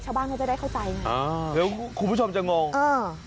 ชาวบ้านเขาจะได้เข้าใจไงอ่าเดี๋ยวคุณผู้ชมจะงงอ่า